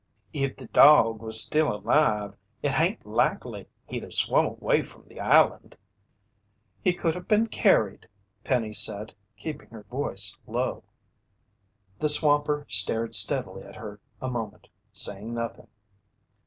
"If the dog was still alive, it hain't likely he'd of swum away from the island." "He could have been carried," Penny said, keeping her voice low. The swamper stared steadily at her a moment, saying nothing.